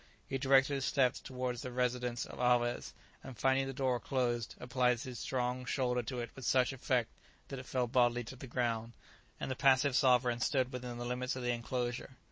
He directed his steps towards the residence of Alvez, and finding the door closed, applied his strong shoulder to it with such effect, that it fell bodily to the ground, and the passive sovereign stood within the limits of the enclosure.